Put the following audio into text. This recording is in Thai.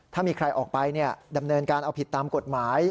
ถ้ามีใครออกไปดำเนินการเอาผิดตามกฎหมาย